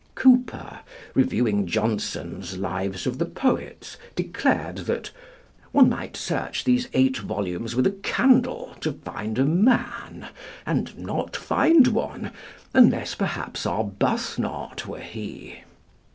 Cowper, reviewing Johnson's 'Lives of the Poets,' declared that "one might search these eight volumes with a candle to find a man, and not find one, unless perhaps Arbuthnot were he."